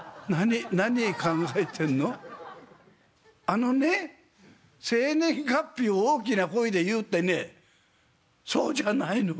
あのね『生年月日を大きな声で言う』ってねそうじゃないの。